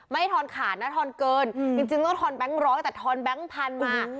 ให้ทอนขาดนะทอนเกินจริงต้องทอนแบงค์ร้อยแต่ทอนแบงค์พันธุ์มา